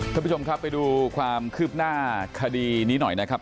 ท่านผู้ชมครับไปดูความคืบหน้าคดีนี้หน่อยนะครับ